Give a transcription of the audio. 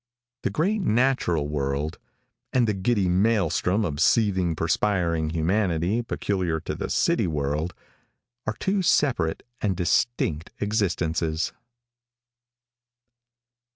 The great natural world and the giddy maelstrom of seething, perspiring humanity, peculiar to the city world, are two separate and distinct existences.